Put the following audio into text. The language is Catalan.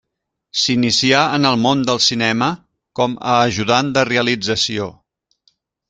S'inicià en el món del cinema com a ajudant de realització.